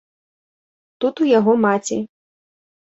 Тут у яго маці.